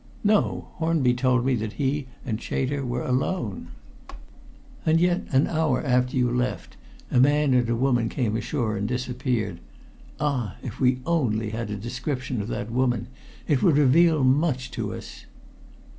"No. Hornby told me that he and Chater were alone." "And yet an hour after you left a man and a woman came ashore and disappeared! Ah! If we only had a description of that woman it would reveal much to us."